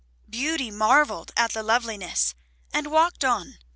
Beauty marvelled at the loveliness and walked on.